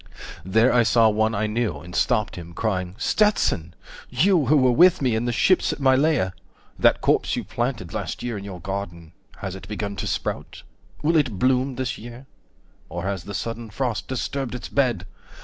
There I saw one I knew, and stopped him, crying "Stetson! You who were with me in the ships at Mylae! 70 That corpse you planted last year in your garden, Has it begun to sprout? Will it bloom this year? Or has the sudden frost disturbed its bed?